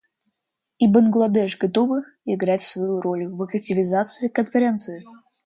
И Бангладеш готово играть свою роль в активизации Конференции.